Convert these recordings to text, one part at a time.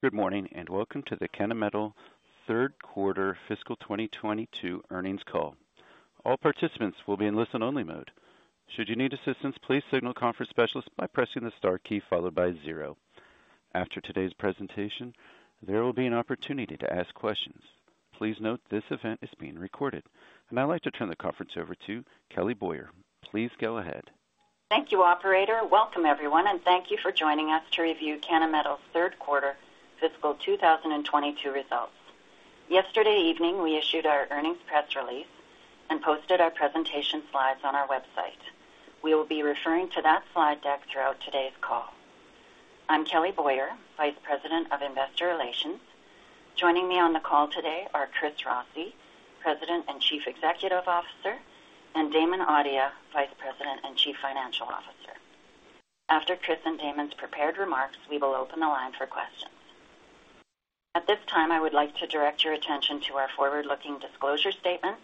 Good morning, and welcome to the Kennametal Third Quarter Fiscal 2022 Earnings Call. All participants will be in listen-only mode. Should you need assistance, please signal conference specialist by pressing the star key followed by zero. After today's presentation, there will be an opportunity to ask questions. Please note this event is being recorded. I'd now like to turn the conference over to Kelly Boyer. Please go ahead. Thank you, operator. Welcome, everyone, and thank you for joining us to review Kennametal's third quarter fiscal 2022 results. Yesterday evening, we issued our earnings press release and posted our presentation slides on our website. We will be referring to that slide deck throughout today's call. I'm Kelly Boyer, Vice President of Investor Relations. Joining me on the call today are Chris Rossi, President and Chief Executive Officer, and Damon Audia, Vice President and Chief Financial Officer. After Chris and Damon's prepared remarks, we will open the line for questions. At this time, I would like to direct your attention to our forward-looking disclosure statement.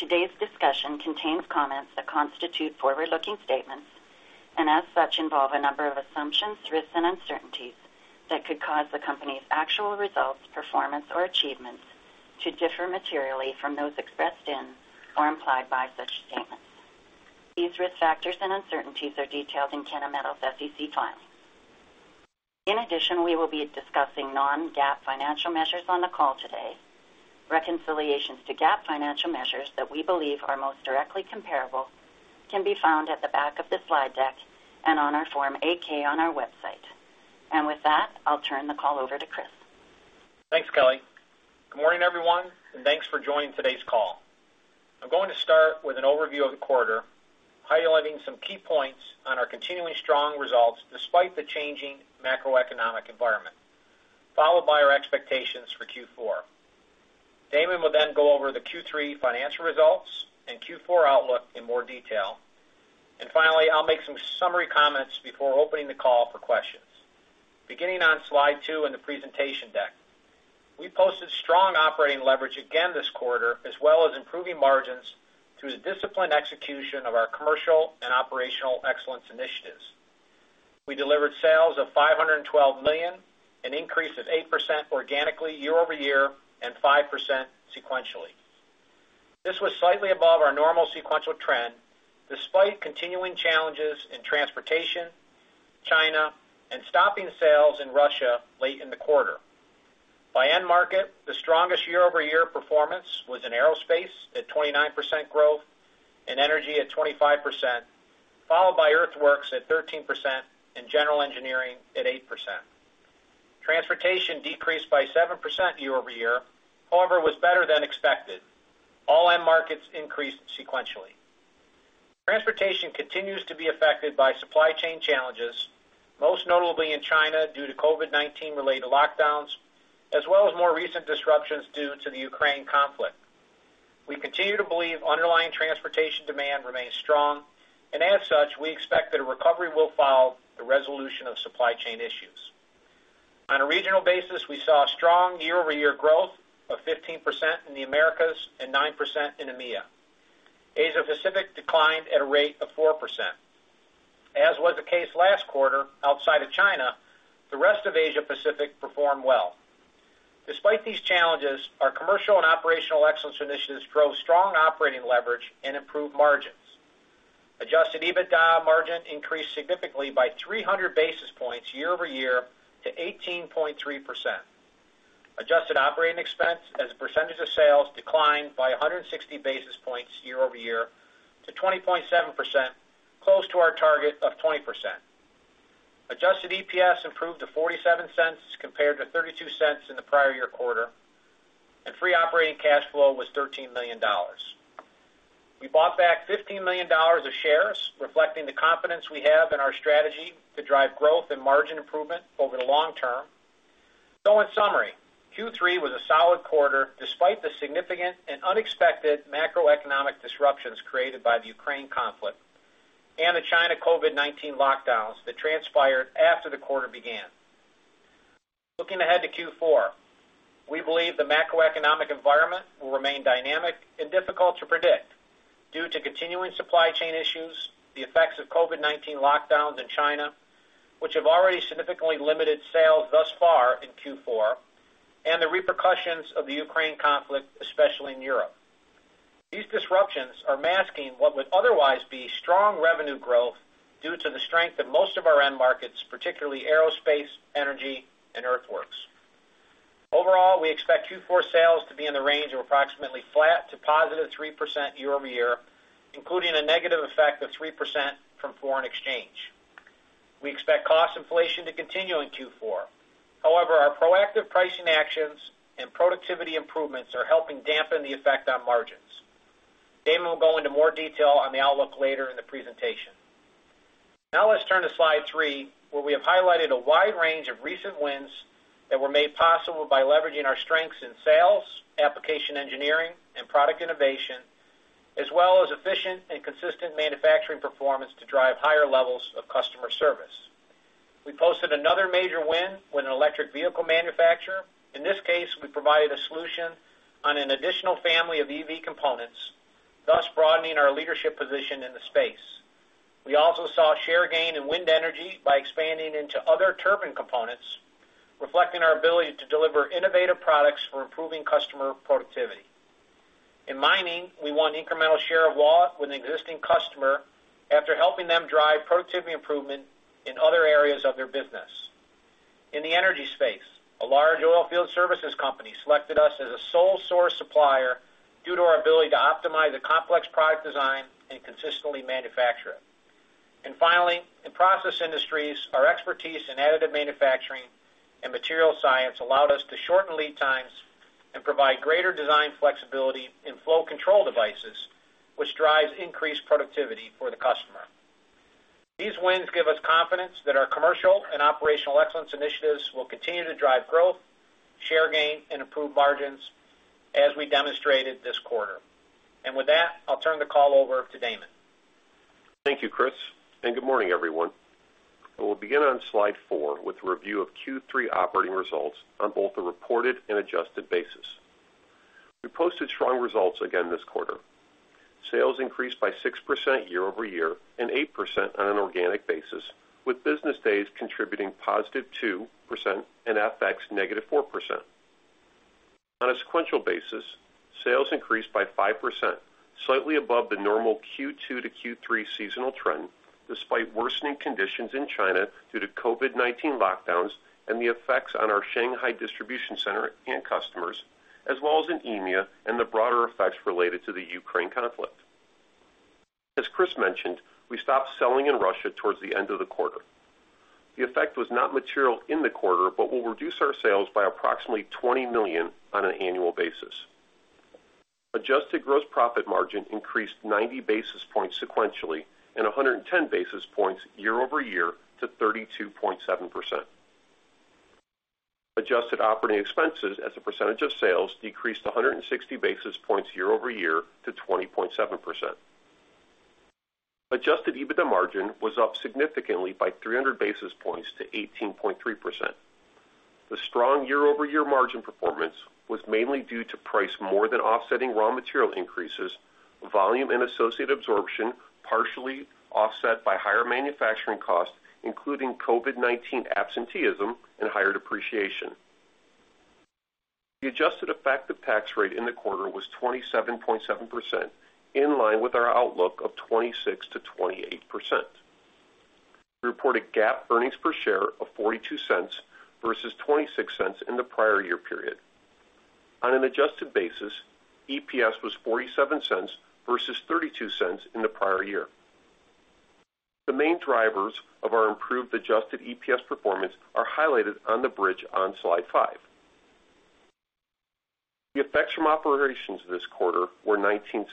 Today's discussion contains comments that constitute forward-looking statements, and as such, involve a number of assumptions, risks, and uncertainties that could cause the company's actual results, performance, or achievements to differ materially from those expressed in or implied by such statements. These risk factors and uncertainties are detailed in Kennametal's SEC filing. In addition, we will be discussing non-GAAP financial measures on the call today. Reconciliations to GAAP financial measures that we believe are most directly comparable can be found at the back of the slide deck and on our Form 8-K on our website. With that, I'll turn the call over to Chris. Thanks, Kelly. Good morning, everyone, and thanks for joining today's call. I'm going to start with an overview of the quarter, highlighting some key points on our continuing strong results despite the changing macroeconomic environment, followed by our expectations for Q4. Damon will then go over the Q3 financial results and Q4 outlook in more detail. Finally, I'll make some summary comments before opening the call for questions. Beginning on slide two in the presentation deck. We posted strong operating leverage again this quarter, as well as improving margins through the disciplined execution of our commercial and operational excellence initiatives. We delivered sales of $512 million, an increase of 8% organically year-over-year and 5% sequentially. This was slightly above our normal sequential trend, despite continuing challenges in transportation, China, and stopping sales in Russia late in the quarter. By end market, the strongest year-over-year performance was in aerospace at 29% growth and energy at 25%, followed by earthworks at 13% and general engineering at 8%. Transportation decreased by 7% year-over-year, however, was better than expected. All end markets increased sequentially. Transportation continues to be affected by supply chain challenges, most notably in China due to COVID-19 related lockdowns, as well as more recent disruptions due to the Ukraine conflict. We continue to believe underlying transportation demand remains strong, and as such, we expect that a recovery will follow the resolution of supply chain issues. On a regional basis, we saw a strong year-over-year growth of 15% in the Americas and 9% in EMEA. Asia-Pacific declined at a rate of 4%. As was the case last quarter, outside of China, the rest of Asia-Pacific performed well. Despite these challenges, our commercial and operational excellence initiatives drove strong operating leverage and improved margins. Adjusted EBITDA margin increased significantly by 300 basis points year-over-year to 18.3%. Adjusted operating expense as a percentage of sales declined by 160 basis points year-over-year to 20.7%, close to our target of 20%. Adjusted EPS improved to $0.47 compared to $0.32 in the prior year quarter, and free operating cash flow was $13 million. We bought back $15 million of shares, reflecting the confidence we have in our strategy to drive growth and margin improvement over the long term. In summary, Q3 was a solid quarter despite the significant and unexpected macroeconomic disruptions created by the Ukraine conflict and the China COVID-19 lockdowns that transpired after the quarter began. Looking ahead to Q4, we believe the macroeconomic environment will remain dynamic and difficult to predict due to continuing supply chain issues, the effects of COVID-19 lockdowns in China, which have already significantly limited sales thus far in Q4, and the repercussions of the Ukraine conflict, especially in Europe. These disruptions are masking what would otherwise be strong revenue growth due to the strength of most of our end markets, particularly aerospace, energy, and earthworks. Overall, we expect Q4 sales to be in the range of approximately flat to positive 3% year-over-year, including a negative effect of 3% from foreign exchange. We expect cost inflation to continue in Q4. However, our proactive pricing actions and productivity improvements are helping dampen the effect on margins. Damon will go into more detail on the outlook later in the presentation. Now let's turn to slide three, where we have highlighted a wide range of recent wins that were made possible by leveraging our strengths in sales, application engineering, and product innovation, as well as efficient and consistent manufacturing performance to drive higher levels of customer service. We posted another major win with an electric vehicle manufacturer. In this case, we provided a solution on an additional family of EV components, thus broadening our leadership position in the space. We also saw share gain in wind energy by expanding into other turbine components, reflecting our ability to deliver innovative products for improving customer productivity. In mining, we won incremental share of wallet with an existing customer after helping them drive productivity improvement in other areas of their business. In the energy space, a large oilfield services company selected us as a sole source supplier due to our ability to optimize a complex product design and consistently manufacture it. Finally, in process industries, our expertise in additive manufacturing and materials science allowed us to shorten lead times and provide greater design flexibility in flow control devices, which drives increased productivity for the customer. These wins give us confidence that our commercial and operational excellence initiatives will continue to drive growth, share gain, and improve margins as we demonstrated this quarter. With that, I'll turn the call over to Damon. Thank you, Chris, and good morning, everyone. We'll begin on slide four with a review of Q3 operating results on both the reported and adjusted basis. We posted strong results again this quarter. Sales increased by 6% year-over-year and 8% on an organic basis, with business days contributing +2% and FX -4%. On a sequential basis, sales increased by 5%, slightly above the normal Q2 to Q3 seasonal trend, despite worsening conditions in China due to COVID-19 lockdowns and the effects on our Shanghai distribution center and customers, as well as in EMEA and the broader effects related to the Ukraine conflict. As Chris mentioned, we stopped selling in Russia towards the end of the quarter. The effect was not material in the quarter, but will reduce our sales by approximately $20 million on an annual basis. Adjusted gross profit margin increased 90 basis points sequentially and 110 basis points year-over-year to 32.7%. Adjusted operating expenses as a percentage of sales decreased 160 basis points year-over-year to 20.7%. Adjusted EBITDA margin was up significantly by 300 basis points to 18.3%. The strong year-over-year margin performance was mainly due to price more than offsetting raw material increases, volume and associated absorption, partially offset by higher manufacturing costs, including COVID-19 absenteeism and higher depreciation. The adjusted effective tax rate in the quarter was 27.7%, in line with our outlook of 26%-28%. We reported GAAP earnings per share of $0.42 versus $0.26 in the prior year period. On an adjusted basis, EPS was $0.47 versus $0.32 in the prior year. The main drivers of our improved adjusted EPS performance are highlighted on the bridge on slide five. The effects from operations this quarter were $0.19,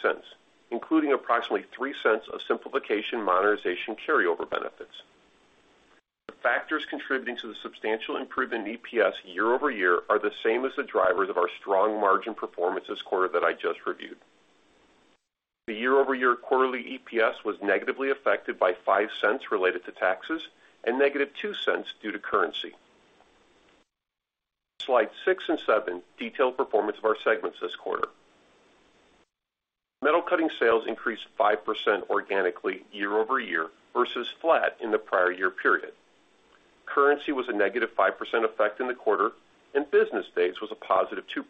including approximately $0.03 of Simplification/Modernization carryover benefits. The factors contributing to the substantial improvement in EPS year-over-year are the same as the drivers of our strong margin performance this quarter that I just reviewed. The year-over-year quarterly EPS was negatively affected by $0.05 related to taxes and negative $0.02 due to currency. Slide six and seven detail performance of our segments this quarter. Metal Cutting sales increased 5% organically year-over-year versus flat in the prior year period. Currency was a negative 5% effect in the quarter and business days was a positive 2%.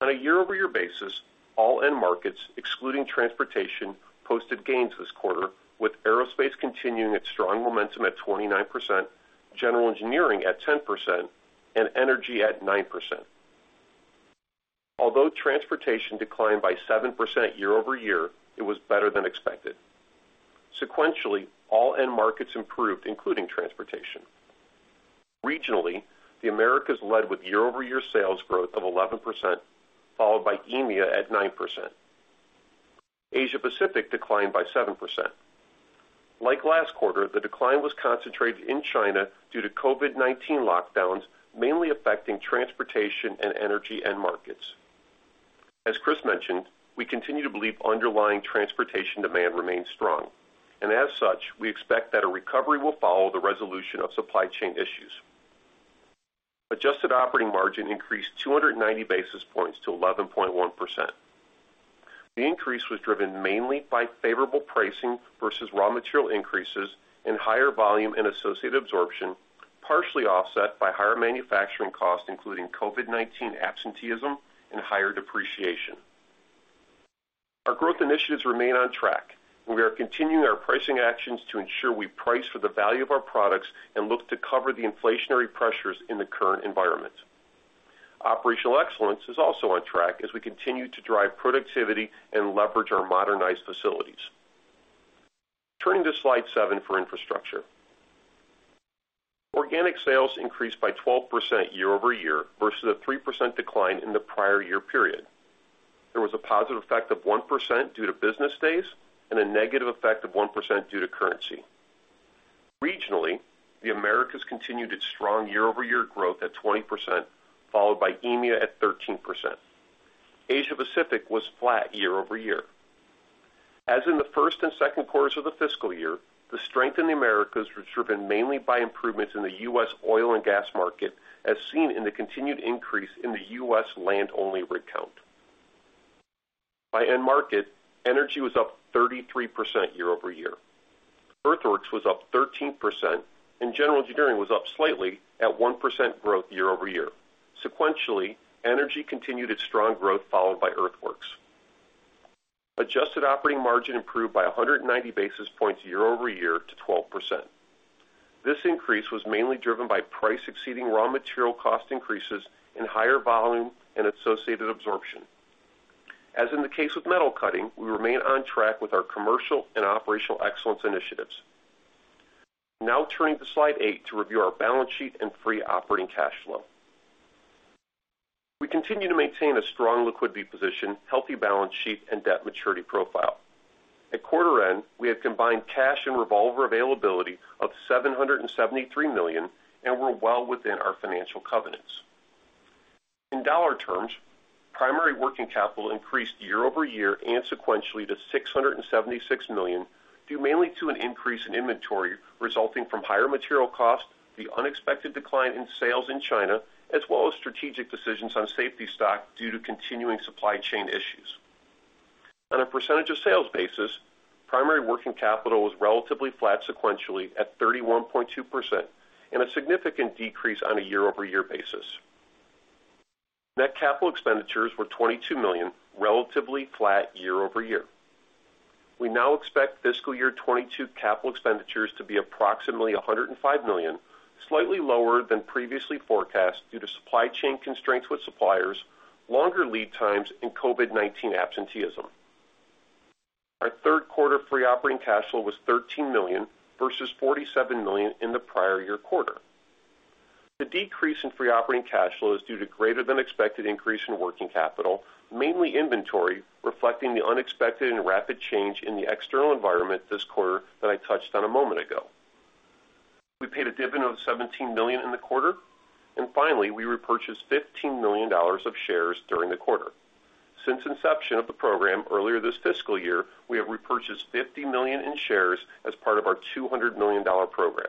On a year-over-year basis, all end markets, excluding transportation, posted gains this quarter, with aerospace continuing its strong momentum at 29%, general engineering at 10%, and energy at 9%. Although transportation declined by 7% year-over-year, it was better than expected. Sequentially, all end markets improved, including transportation. Regionally, the Americas led with year-over-year sales growth of 11%, followed by EMEA at 9%. Asia-Pacific declined by 7%. Like last quarter, the decline was concentrated in China due to COVID-19 lockdowns, mainly affecting transportation and energy end markets. As Chris mentioned, we continue to believe underlying transportation demand remains strong. As such, we expect that a recovery will follow the resolution of supply chain issues. Adjusted operating margin increased 290 basis points to 11.1%. The increase was driven mainly by favorable pricing versus raw material increases and higher volume and associated absorption, partially offset by higher manufacturing costs, including COVID-19 absenteeism and higher depreciation. Our growth initiatives remain on track, and we are continuing our pricing actions to ensure we price for the value of our products and look to cover the inflationary pressures in the current environment. Operational excellence is also on track as we continue to drive productivity and leverage our modernized facilities. Turning to slide seven for Infrastructure. Organic sales increased by 12% year-over-year versus a 3% decline in the prior year period. There was a positive effect of 1% due to business days and a negative effect of 1% due to currency. Regionally, the Americas continued its strong year-over-year growth at 20%, followed by EMEA at 13%. Asia-Pacific was flat year-over-year. In the first and second quarters of the fiscal year, the strength in the Americas was driven mainly by improvements in the U.S. oil and gas market, as seen in the continued increase in the U.S. land-only rig count. By end market, energy was up 33% year-over-year. Earthworks was up 13%, and general engineering was up slightly at 1% growth year-over-year. Sequentially, energy continued its strong growth, followed by Earthworks. Adjusted operating margin improved by 190 basis points year-over-year to 12%. This increase was mainly driven by price exceeding raw material cost increases and higher volume and associated absorption. In the case with Metal Cutting, we remain on track with our commercial and operational excellence initiatives. Now turning to slide eight to review our balance sheet and free operating cash flow. We continue to maintain a strong liquidity position, healthy balance sheet, and debt maturity profile. At quarter end, we have combined cash and revolver availability of $773 million, and we're well within our financial covenants. In dollar terms, primary working capital increased year-over-year and sequentially to $676 million, due mainly to an increase in inventory resulting from higher material costs, the unexpected decline in sales in China, as well as strategic decisions on safety stock due to continuing supply chain issues. On a percentage of sales basis, primary working capital was relatively flat sequentially at 31.2% and a significant decrease on a year-over-year basis. Net capital expenditures were $22 million, relatively flat year-over-year. We now expect fiscal year 2022 capital expenditures to be approximately $105 million, slightly lower than previously forecast due to supply chain constraints with suppliers, longer lead times, and COVID-19 absenteeism. Our third quarter free operating cash flow was $13 million versus $47 million in the prior year quarter. The decrease in free operating cash flow is due to greater than expected increase in working capital, mainly inventory, reflecting the unexpected and rapid change in the external environment this quarter that I touched on a moment ago. We paid a dividend of $17 million in the quarter. Finally, we repurchased $15 million of shares during the quarter. Since inception of the program earlier this fiscal year, we have repurchased $50 million in shares as part of our $200 million program.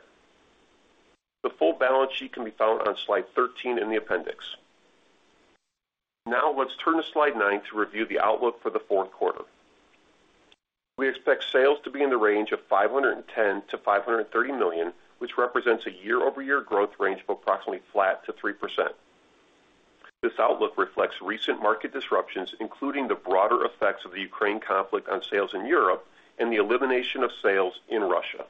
The full balance sheet can be found on slide 13 in the appendix. Now, let's turn to slide nine to review the outlook for the fourth quarter. We expect sales to be in the range of $510 million-$530 million, which represents a year-over-year growth range of approximately flat to 3%. This outlook reflects recent market disruptions, including the broader effects of the Ukraine conflict on sales in Europe and the elimination of sales in Russia.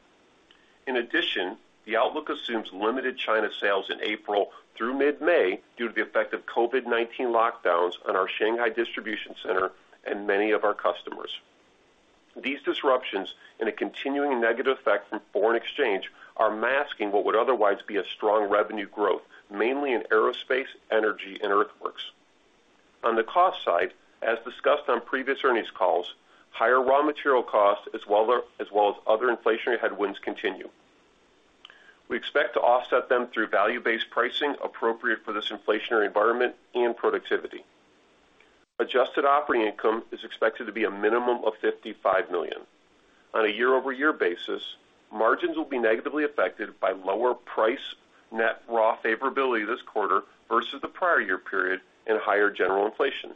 In addition, the outlook assumes limited China sales in April through mid-May due to the effect of COVID-19 lockdowns on our Shanghai distribution center and many of our customers. These disruptions, and a continuing negative effect from foreign exchange, are masking what would otherwise be a strong revenue growth, mainly in aerospace, energy, and earthworks. On the cost side, as discussed on previous earnings calls, higher raw material costs, as well as other inflationary headwinds continue. We expect to offset them through value-based pricing appropriate for this inflationary environment and productivity. Adjusted operating income is expected to be a minimum of $55 million. On a year-over-year basis, margins will be negatively affected by lower price net raw favorability this quarter versus the prior year period and higher general inflation.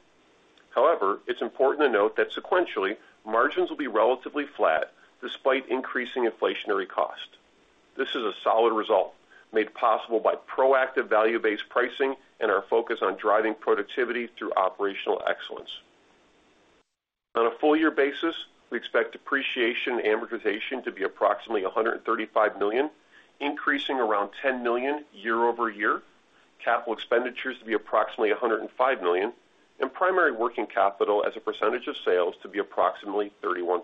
However, it's important to note that sequentially, margins will be relatively flat despite increasing inflationary cost. This is a solid result made possible by proactive value-based pricing and our focus on driving productivity through operational excellence. On a full year basis, we expect depreciation and amortization to be approximately $135 million, increasing around $10 million year-over-year, capital expenditures to be approximately $105 million, and primary working capital as a percentage of sales to be approximately 31%.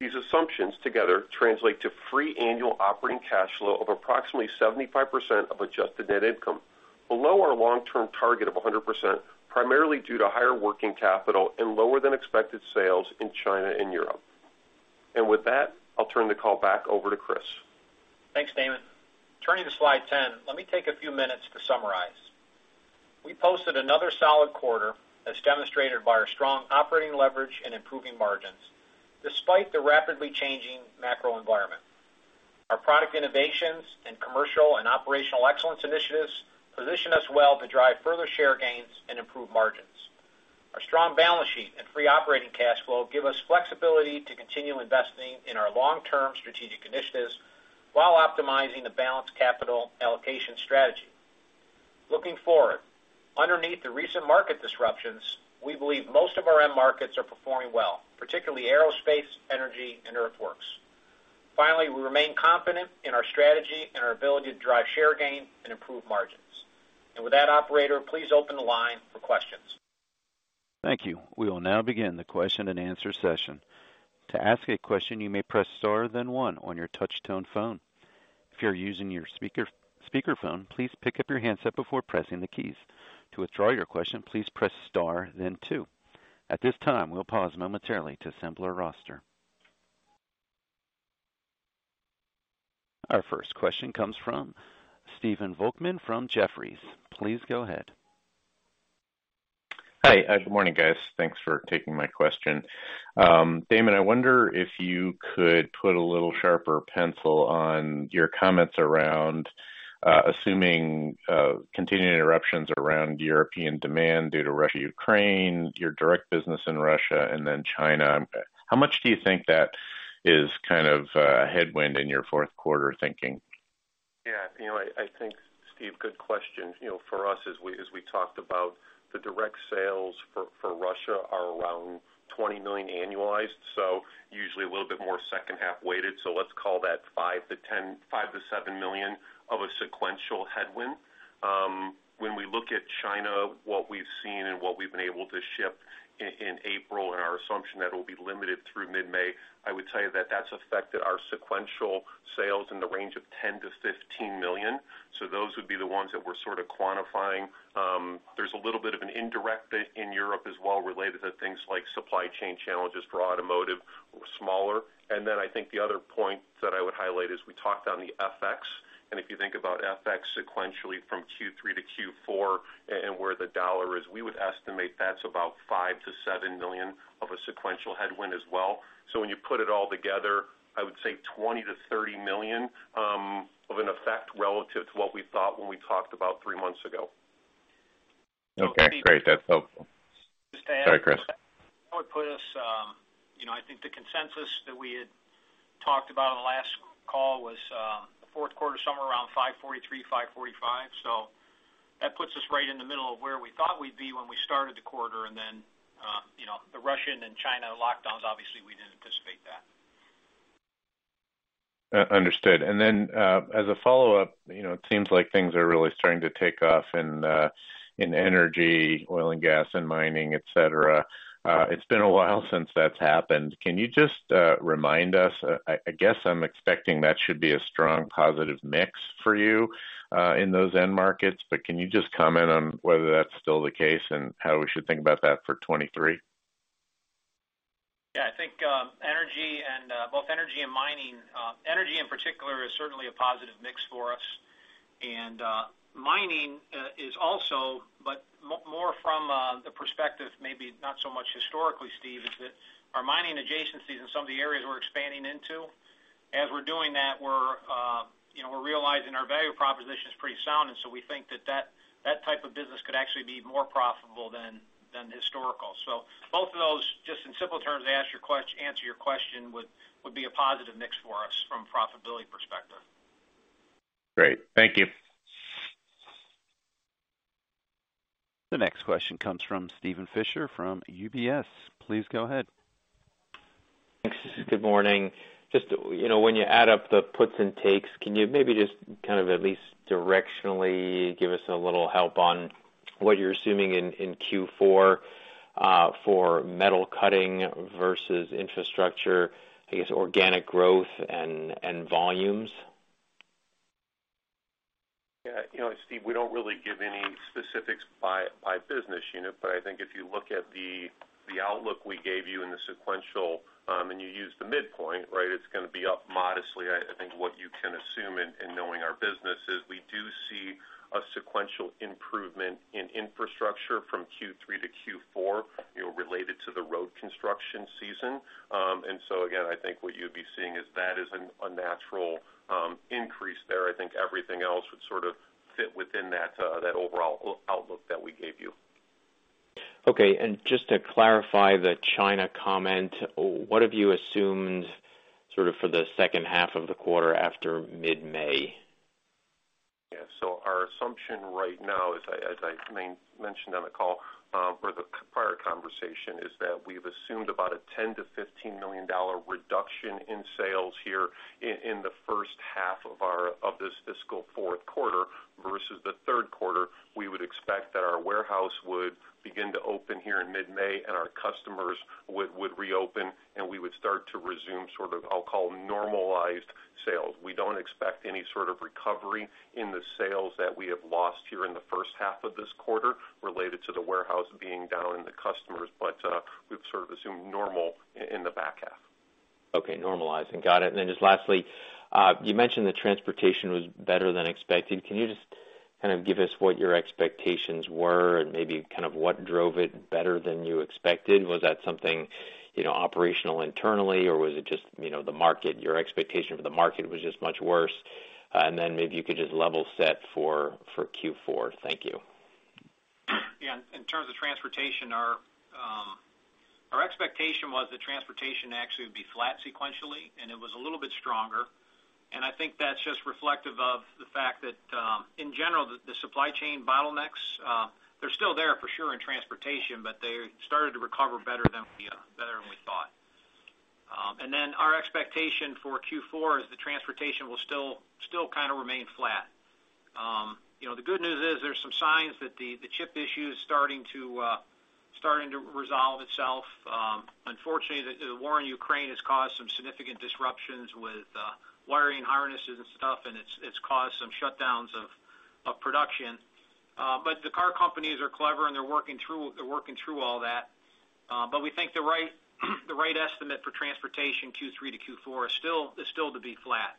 These assumptions together translate to free annual operating cash flow of approximately 75% of adjusted net income, below our long-term target of 100%, primarily due to higher working capital and lower than expected sales in China and Europe. With that, I'll turn the call back over to Chris. Thanks, Damon. Turning to slide 10, let me take a few minutes to summarize. We posted another solid quarter, as demonstrated by our strong operating leverage and improving margins, despite the rapidly changing macro environment. Our product innovations and commercial and operational excellence initiatives position us well to drive further share gains and improve margins. Our strong balance sheet and free operating cash flow give us flexibility to continue investing in our long-term strategic initiatives while optimizing the balanced capital allocation strategy. Looking forward, underneath the recent market disruptions, we believe most of our end markets are performing well, particularly aerospace, energy, and earthworks. Finally, we remain confident in our strategy and our ability to drive share gain and improve margins. With that, operator, please open the line for questions. Thank you. We will now begin the question-and-answer session. To ask a question, you may press star, then one on your touch tone phone. If you're using your speaker, speakerphone, please pick up your handset before pressing the keys. To withdraw your question, please press star then two. At this time, we'll pause momentarily to assemble our roster. Our first question comes from Stephen Volkmann from Jefferies. Please go ahead. Hi. Good morning, guys. Thanks for taking my question. Damon, I wonder if you could put a little sharper pencil on your comments around. Assuming continuing interruptions around European demand due to Russia, Ukraine, your direct business in Russia and then China, how much do you think that is kind of headwind in your fourth quarter thinking? Yeah. You know, I think, Steve, good question. You know, for us, as we talked about the direct sales for Russia are around $20 million annualized, so usually a little bit more second half weighted. Let's call that $5-$7 million of a sequential headwind. When we look at China, what we've seen and what we've been able to ship in April, and our assumption that it will be limited through mid-May, I would tell you that that's affected our sequential sales in the range of $10-$15 million. So those would be the ones that we're sort of quantifying. There's a little bit of an indirect bit in Europe as well related to things like supply chain challenges for automotive, smaller. I think the other point that I would highlight is we talked on the FX. If you think about FX sequentially from Q3 to Q4 and where the dollar is, we would estimate that's about $5 million-$7 million of a sequential headwind as well. When you put it all together, I would say $20 million-$30 million of an effect relative to what we thought when we talked about three months ago. Okay, great. That's helpful. Just to add. Sorry, Chris. That would put us, you know, I think the consensus that we had talked about on the last call was the fourth quarter, somewhere around $543-$545. That puts us right in the middle of where we thought we'd be when we started the quarter. You know, the Russia and China lockdowns, obviously we didn't anticipate that. Understood. Then, as a follow-up, you know, it seems like things are really starting to take off in energy, oil and gas and mining, et cetera. It's been a while since that's happened. Can you just remind us, I guess I'm expecting that should be a strong positive mix for you in those end markets, but can you just comment on whether that's still the case and how we should think about that for 2023? Yeah. I think energy and both energy and mining, energy in particular is certainly a positive mix for us. Mining is also, but more from the perspective, maybe not so much historically, Steve, is that our mining adjacencies in some of the areas we're expanding into, as we're doing that, we're, you know, we're realizing our value proposition is pretty sound. We think that type of business could actually be more profitable than historical. Both of those, just in simple terms, to answer your question, would be a positive mix for us from a profitability perspective. Great. Thank you. The next question comes from Steven Fisher from UBS. Please go ahead. Thanks. Good morning. Just, you know, when you add up the puts and takes, can you maybe just kind of at least directionally give us a little help on what you're assuming in Q4 for Metal Cutting versus Infrastructure, I guess, organic growth and volumes? Yeah. You know, Steve, we don't really give any specifics by business unit. I think if you look at the outlook we gave you in the sequential, and you use the midpoint, right, it's gonna be up modestly. I think what you can assume in knowing our business is we do see a sequential improvement in infrastructure from Q3 to Q4, you know, related to the road construction season. I think what you'd be seeing is that is a natural increase there. I think everything else would sort of fit within that overall outlook that we gave you. Okay. Just to clarify the China comment, what have you assumed sort of for the second half of the quarter after mid-May? Our assumption right now, as I mentioned on the call or the prior conversation, is that we've assumed about a $10-$15 million reduction in sales here in the first half of this fiscal fourth quarter versus the third quarter. We would expect that our warehouse would begin to open here in mid-May and our customers would reopen, and we would start to resume sort of, I'll call, normalized sales. We don't expect any sort of recovery in the sales that we have lost here in the first half of this quarter related to the warehouse being down and the customers. We've sort of assumed normal in the back half. Okay. Normalizing. Got it. Then just lastly, you mentioned that transportation was better than expected. Can you just kind of give us what your expectations were and maybe kind of what drove it better than you expected? Was that something, you know, operational internally, or was it just, you know, the market, your expectation for the market was just much worse? Then maybe you could just level set for Q4. Thank you. Yeah. In terms of transportation, our expectation was that transportation actually would be flat sequentially, and it was a little bit stronger. I think that's just reflective of the fact that, in general, the supply chain bottlenecks, they're still there for sure in transportation, but they started to recover better than we thought. And then our expectation for Q4 is the transportation will still kind of remain flat. You know, the good news is there's some signs that the chip issue is starting to resolve itself. Unfortunately, the war in Ukraine has caused some significant disruptions with wiring harnesses and stuff, and it's caused some shutdowns of production. But the car companies are clever, and they're working through all that. We think the right estimate for transportation Q3 to Q4 is still to be flat.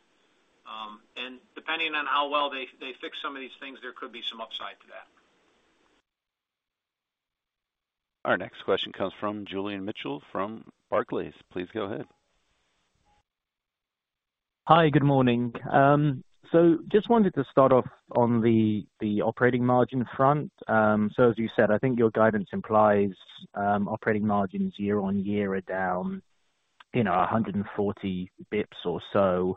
Depending on how well they fix some of these things, there could be some upside to that. Our next question comes from Julian Mitchell from Barclays. Please go ahead. Hi. Good morning. Just wanted to start off on the operating margin front. As you said, I think your guidance implies operating margins year-over-year are down, you know, 140 basis points or so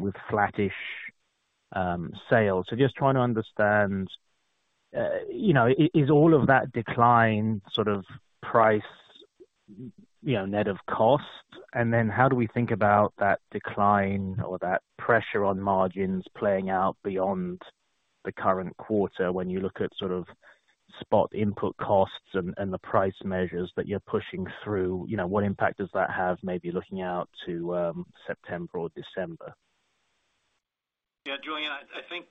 with flattish sales. Just trying to understand, you know, is all of that decline sort of price, you know, net of cost? Then how do we think about that decline or that pressure on margins playing out beyond the current quarter when you look at sort of spot input costs and the price measures that you're pushing through, you know, what impact does that have maybe looking out to September or December? Yeah, Julian, I think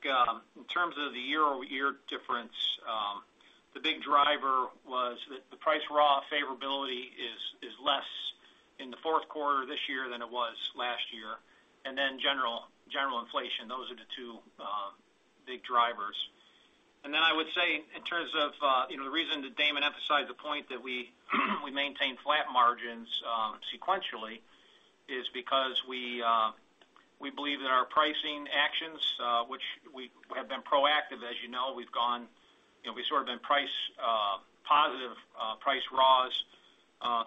in terms of the year-over-year difference, the big driver was that the price/raw favorability is less in the fourth quarter this year than it was last year, and then general inflation. Those are the two big drivers. I would say in terms of you know, the reason that Damon emphasized the point that we maintain flat margins sequentially is because we believe that our pricing actions, which we have been proactive, as you know, you know, we sort of been price positive, price/raws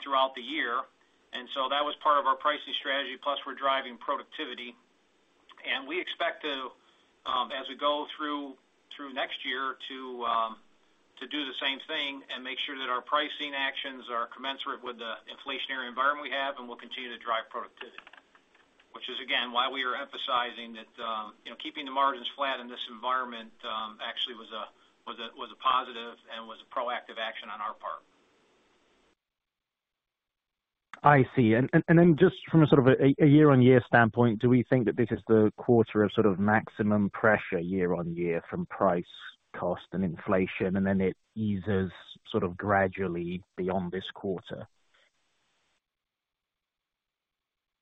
throughout the year. That was part of our pricing strategy. Plus, we're driving productivity. We expect to, as we go through next year to do the same thing and make sure that our pricing actions are commensurate with the inflationary environment we have, and we'll continue to drive productivity. Which is again, why we are emphasizing that, you know, keeping the margins flat in this environment, actually was a positive and was a proactive action on our part. I see. Just from a sort of a year-on-year standpoint, do we think that this is the quarter of sort of maximum pressure year-on-year from price, cost, and inflation, and then it eases sort of gradually beyond this quarter?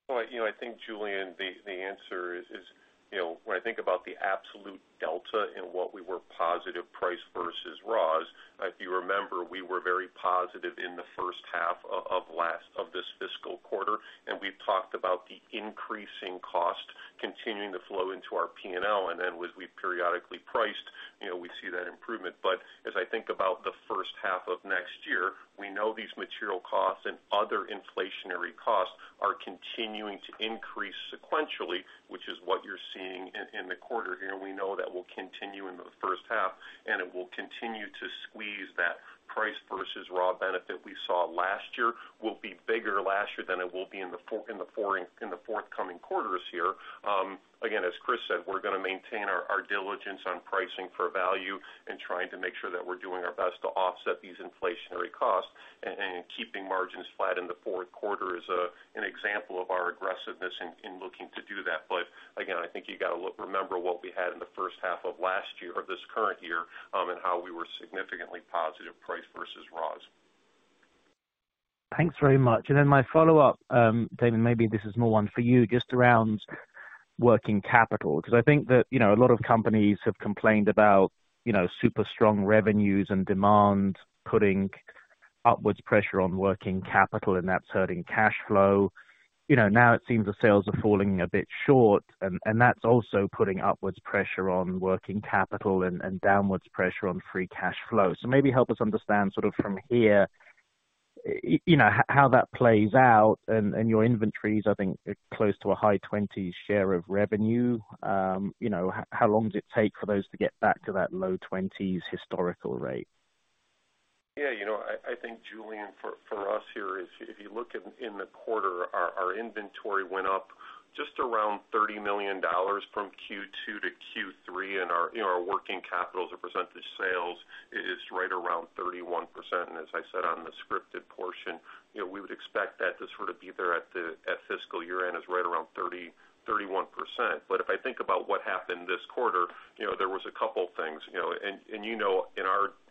Well, you know, I think, Julian, the answer is, you know, when I think about the absolute delta in what we were positive price versus raws, if you remember, we were very positive in the first half of this fiscal quarter, and we've talked about the increasing cost continuing to flow into our P&L. Then as we periodically priced, you know, we see that improvement. As I think about the first half of next year, we know these material costs and other inflationary costs are continuing to increase sequentially, which is what you're seeing in the quarter here. We know that will continue in the first half, and it will continue to squeeze that price versus raw benefit we saw last year. It will be bigger last year than it will be in the forthcoming quarters here. Again, as Chris said, we're gonna maintain our diligence on pricing for value and trying to make sure that we're doing our best to offset these inflationary costs. Keeping margins flat in the fourth quarter is an example of our aggressiveness in looking to do that. Again, I think you got to look, remember what we had in the first half of last year or this current year, and how we were significantly positive price versus raws. Thanks very much. My follow-up, Damon, maybe this is more one for you just around working capital, because I think that, you know, a lot of companies have complained about, you know, super strong revenues and demand putting upwards pressure on working capital, and that's hurting cash flow. You know, now it seems the sales are falling a bit short, and that's also putting upwards pressure on working capital and downwards pressure on free cash flow. Maybe help us understand sort of from here, you know, how that plays out and your inventories, I think are close to a high twenties share of revenue. You know, how long does it take for those to get back to that low twenties historical rate? Yeah. You know, I think, Julian, for us here is if you look in the quarter, our inventory went up just around $30 million from Q2 to Q3. Our, you know, our working capital as a percentage of sales is right around 31%. As I said on the scripted portion, you know, we would expect that to sort of be there at fiscal year-end is right around 30%-31%. If I think about what happened this quarter, you know, there was a couple things, you know. You know,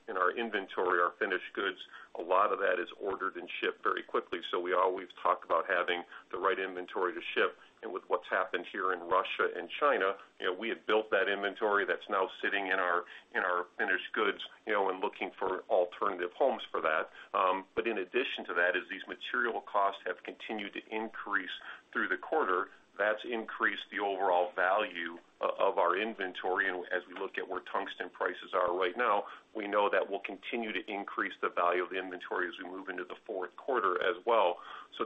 in our inventory, our finished goods, a lot of that is ordered and shipped very quickly. We always talk about having the right inventory to ship. With what's happened here in Russia and China, you know, we have built that inventory that's now sitting in our finished goods, you know, and looking for alternative homes for that. In addition to that is these material costs have continued to increase through the quarter. That's increased the overall value of our inventory. As we look at where tungsten prices are right now, we know that we'll continue to increase the value of the inventory as we move into the fourth quarter as well.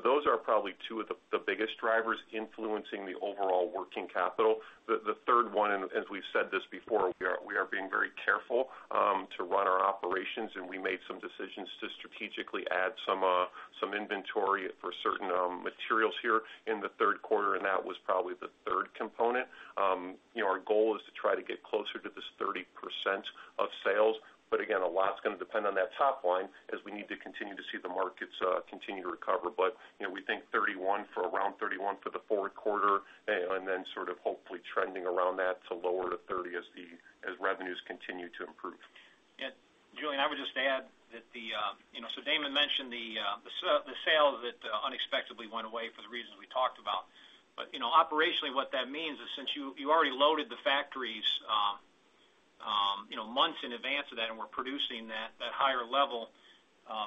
Those are probably two of the biggest drivers influencing the overall working capital. The third one, and as we've said this before, we are being very careful to run our operations, and we made some decisions to strategically add some inventory for certain materials here in the third quarter, and that was probably the third component. You know, our goal is to try to get closer to this 30% of sales. Again, a lot's gonna depend on that top line as we need to continue to see the markets continue to recover. You know, we think 31% for around 31% for the fourth quarter and then sort of hopefully trending around that to lower to 30% as revenues continue to improve. Yeah. Julian, I would just add that, you know, so Damon mentioned the sale that unexpectedly went away for the reasons we talked about. You know, operationally, what that means is since you already loaded the factories, you know, months in advance of that, and we're producing that higher level,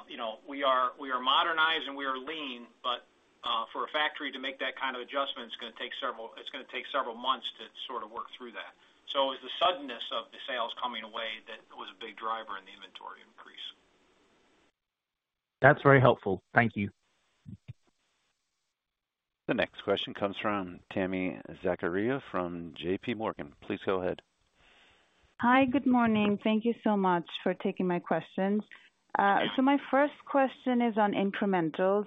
you know, we are modernized and we are lean, but for a factory to make that kind of adjustment, it's gonna take several months to sort of work through that. It was the suddenness of the sales coming away that was a big driver in the inventory increase. That's very helpful. Thank you. The next question comes from Tami Zakaria from JPMorgan. Please go ahead. Hi. Good morning. Thank you so much for taking my questions. My first question is on incrementals.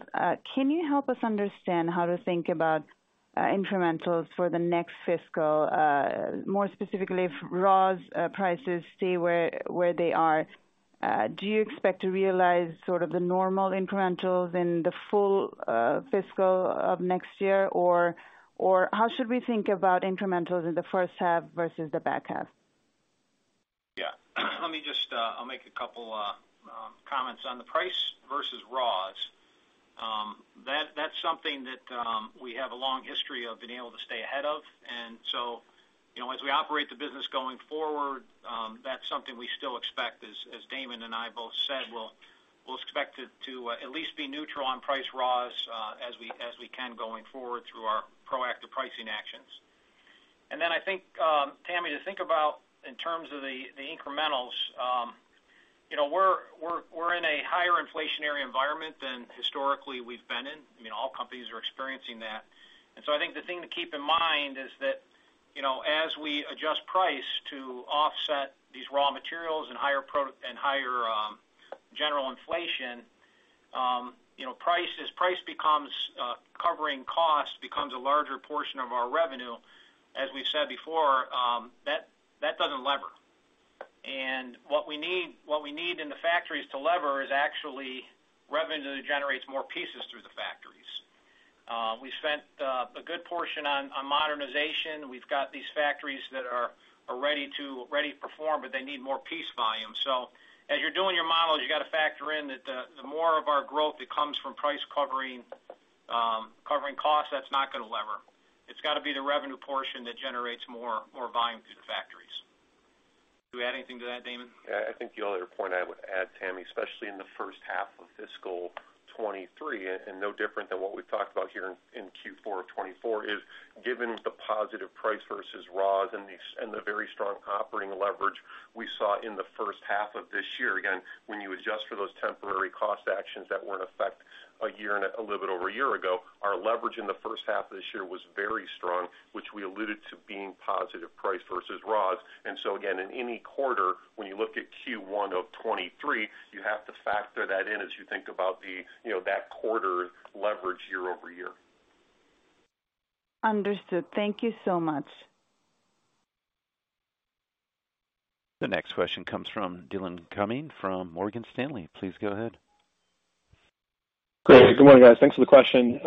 Can you help us understand how to think about incrementals for the next fiscal? More specifically, if raws prices stay where they are, do you expect to realize sort of the normal incrementals in the full fiscal of next year? Or how should we think about incrementals in the first half versus the back half? Yeah. Let me just, I'll make a couple comments. On the price versus raws, that's something that we have a long history of being able to stay ahead of. You know, as we operate the business going forward, that's something we still expect. As Damon and I both said, we'll expect it to at least be neutral on price raws, as we can going forward through our proactive pricing actions. I think, Tami, to think about in terms of the incrementals, you know, we're in a higher inflationary environment than historically we've been in. I mean, all companies are experiencing that. I think the thing to keep in mind is that, you know, as we adjust price to offset these raw materials and higher general inflation, you know, price becomes covering cost, becomes a larger portion of our revenue. As we've said before, that doesn't lever. What we need in the factories to lever is actually revenue that generates more pieces through the factories. We spent a good portion on modernization. We've got these factories that are ready to perform, but they need more piece volume. As you're doing your models, you got to factor in that the more of our growth that comes from price covering covering costs, that's not gonna lever. It's got to be the revenue portion that generates more volume through the factories. Do you add anything to that, Damon? Yeah. I think the only other point I would add, Tami, especially in the first half of fiscal 2023, and no different than what we've talked about here in Q4 of 2024, is given the positive price versus raws and the very strong operating leverage we saw in the first half of this year. Again, when you adjust for those temporary cost actions that were in effect a year and a little bit over a year ago, our leverage in the first half of this year was very strong, which we alluded to being positive price versus raws. Again, in any quarter, when you look at Q1 of 2023, you have to factor that in as you think about the, you know, that quarter's leverage year over year. Understood. Thank you so much. The next question comes from Dillon Cumming from Morgan Stanley. Please go ahead. Great. Good morning, guys. Thanks for the question.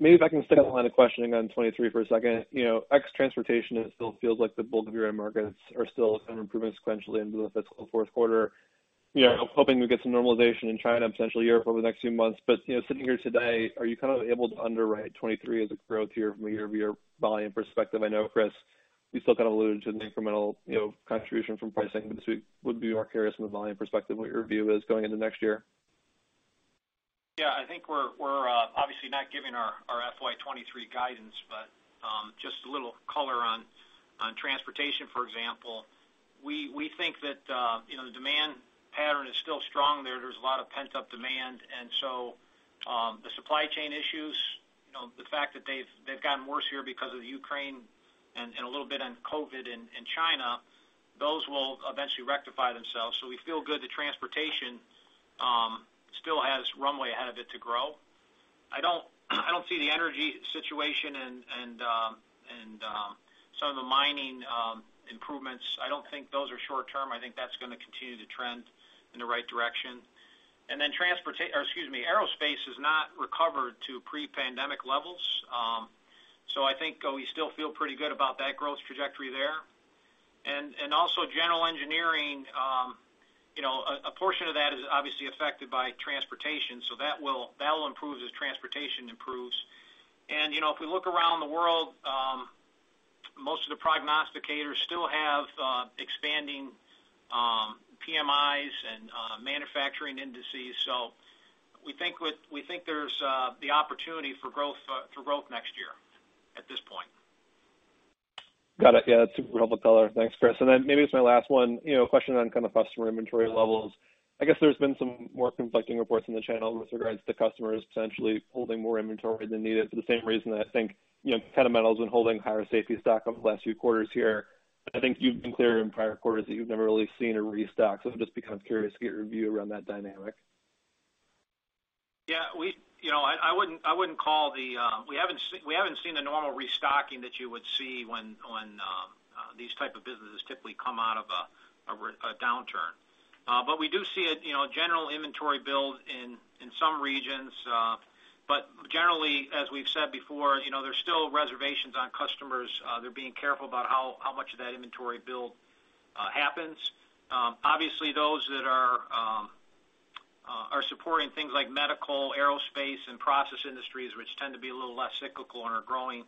Maybe if I can stay on the line of questioning on 2023 for a second. You know, ex transportation, it still feels like the bulk of your end markets are still kind of improving sequentially into the fiscal fourth quarter. You know, hoping we get some normalization in China and Central Europe over the next few months. But, you know, sitting here today, are you kind of able to underwrite 2023 as a growth year from a year-over-year volume perspective? I know, Chris, you still kind of alluded to the incremental, you know, contribution from pricing. But this would be more curious from the volume perspective what your view is going into next year. Yeah. I think we're obviously not giving our FY23 guidance, but just a little color on transportation, for example. We think that, you know, the demand pattern is still strong there. There's a lot of pent-up demand. The supply chain issues, you know, the fact that they've gotten worse here because of the Ukraine and a little bit on COVID in China, those will eventually rectify themselves. We feel good that transportation still has runway ahead of it to grow. I don't see the energy situation and some of the mining improvements. I don't think those are short term. I think that's gonna continue to trend in the right direction. Or excuse me, aerospace has not recovered to pre-pandemic levels. I think we still feel pretty good about that growth trajectory there. Also general engineering, you know, a portion of that is obviously affected by transportation, so that'll improve as transportation improves. You know, if we look around the world, most of the prognosticators still have expanding PMIs and manufacturing indices. We think there's the opportunity for growth next year at this point. Got it. Yeah, that's a helpful color. Thanks, Chris. Then maybe it's my last one. You know, a question on kind of customer inventory levels. I guess there's been some more conflicting reports in the channel with regards to customers potentially holding more inventory than needed for the same reason I think, you know, kind of metals and holding higher safety stock over the last few quarters here. I think you've been clear in prior quarters that you've never really seen a restock. I'm just kind of curious to get your view around that dynamic. Yeah, you know, I wouldn't call the. We haven't seen the normal restocking that you would see when these type of businesses typically come out of a downturn. But we do see a, you know, general inventory build in some regions. But generally, as we've said before, you know, there's still reservations on customers. They're being careful about how much of that inventory build happens. Obviously, those that are supporting things like medical, aerospace, and process industries, which tend to be a little less cyclical and are growing,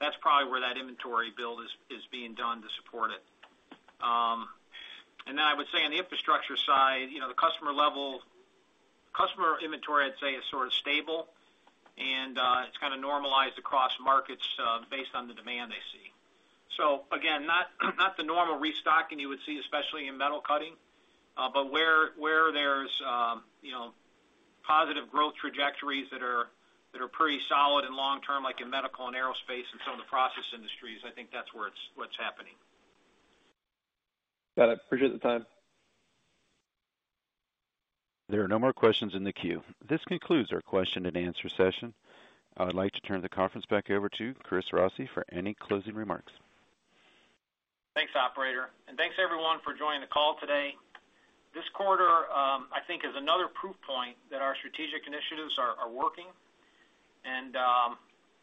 that's probably where that inventory build is being done to support it. I would say on the Infrastructure side, you know, the customer level, customer inventory, I'd say, is sort of stable, and it's kind of normalized across markets based on the demand they see. Again, not the normal restocking you would see, especially in Metal Cutting. Where there's, you know, positive growth trajectories that are pretty solid and long-term, like in medical and aerospace and some of the process industries, I think that's where it's what's happening. Got it. Appreciate the time. There are no more questions in the queue. This concludes our question and answer session. I would like to turn the conference back over to Christopher Rossi for any closing remarks. Thanks, operator, and thanks everyone for joining the call today. This quarter, I think is another proof point that our strategic initiatives are working.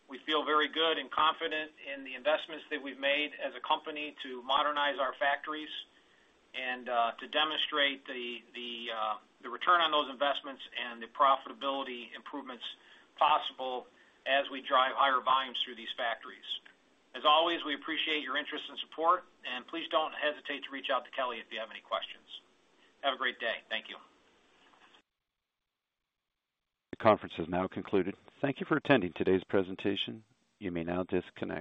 We feel very good and confident in the investments that we've made as a company to modernize our factories and to demonstrate the return on those investments and the profitability improvements possible as we drive higher volumes through these factories. As always, we appreciate your interest and support, and please don't hesitate to reach out to Kelly if you have any questions. Have a great day. Thank you. The conference has now concluded. Thank you for attending today's presentation. You may now disconnect.